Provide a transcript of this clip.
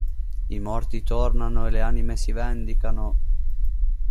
I morti tornano e le anime si vendicano!